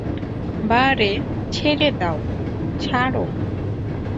বা রে, ছেড়ে দাও-ছাড়ো!